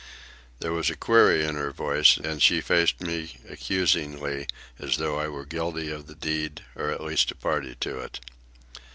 There was a query in her voice, and she faced me accusingly, as though I were guilty of the deed, or at least a party to it.